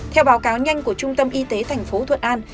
theo báo cáo nhanh của trung tâm y tế thành phố thuận an